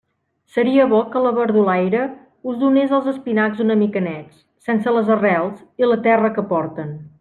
Seria bo que la verdulaire us donés els espinacs una mica nets, sense les arrels i la terra que porten.